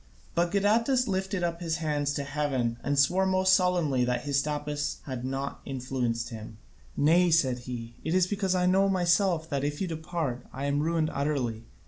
But Gadatas lifted up his hands to heaven and swore most solemnly that Hystaspas had not influenced him. "Nay," said he, "it is because I know myself that, if you depart, I am ruined utterly.